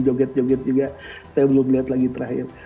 joget joget juga saya belum lihat lagi terakhir